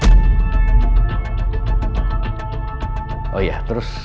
oh iya terus